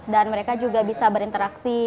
mereka juga bisa berinteraksi